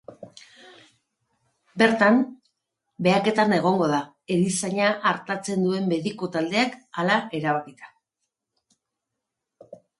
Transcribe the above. Bertan, behaketan egongo da, erizaina artatzen duen mediku taldeak hala erabakita.